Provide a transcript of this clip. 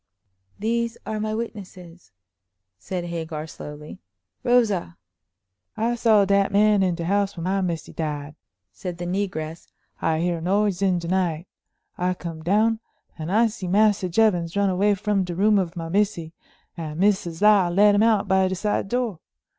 "These are my witnesses," said Hagar, slowly. "Rosa!" "I saw dat man in de house when my missy died," said the negress. "I hear noise in de night; I come down, and I see Massa Jevons run away from de room of my missy, and Missus Lyle let him out by de side door.